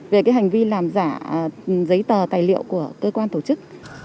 về cái hành vi làm giả giấy tờ tài liệu của cơ quan tổ chức